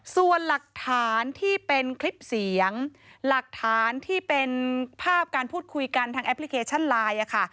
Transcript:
ส่วนหลักฐานที่เป็นคลิปเสียงหลักฐานที่เป็นภาพการพูดคุยกันทางแอปพลิเคชันไลน์ค่ะ